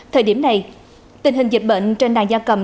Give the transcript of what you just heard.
thời điểm này tình hình dịch bệnh trên nàng gia cầm